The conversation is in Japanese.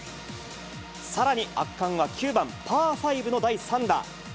さらに、圧巻は９番パー５の第３打。